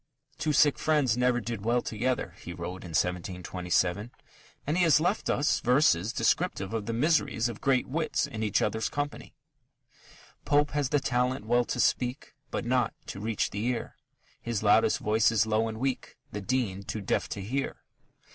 "Two sick friends never did well together," he wrote in 1727, and he has left us verses descriptive of the miseries of great wits in each other's company: Pope has the talent well to speak, But not to reach the ear; His loudest voice is low and weak, The Dean too deaf to hear.